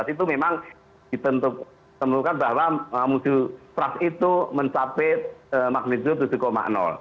itu memang ditentukan bahwa musuh trust itu mencapai magnitude tujuh